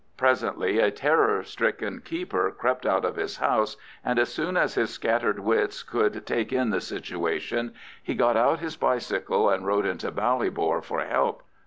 Presently a terror stricken keeper crept out of his house, and as soon as his scattered wits could take in the situation, he got out his bicycle and rode into Ballybor for help.